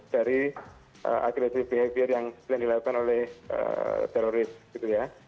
dari agresif behavior yang dilakukan oleh teroris gitu ya